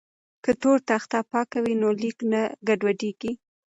که تور تخته پاکه وي نو لیک نه ګډوډیږي.